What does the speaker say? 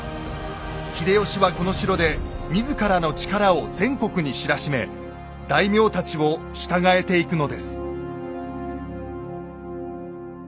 秀吉はこの城で自らの力を全国に知らしめ大名たちを従えていくのです。